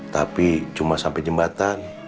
tapi cuma sampai jembatan